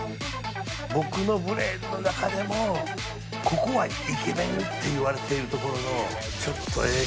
僕のブレーンの中でもここはイケメンっていわれているところのちょっとええ